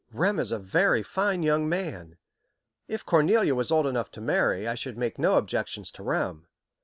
"Rem is a very fine young man. If Cornelia was old enough to marry, I should make no objections to Rem.